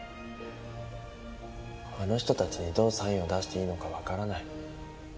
あの人たちにどうサインを出していいのかわからない。